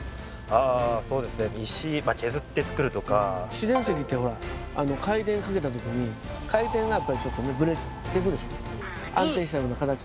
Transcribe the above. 自然石ってほら回転かけた時に回転がやっぱりちょっとねぶれてくでしょ？